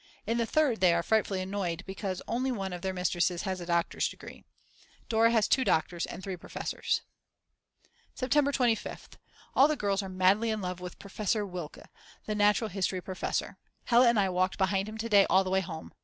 In the Third they are frightfully annoyed because only one of their mistresses has a doctor's degree. Dora has 2 doctors and three professors. September 25th. All the girls are madly in love with Professor Wilke the natural history professor. Hella and I walked behind him to day all the way home.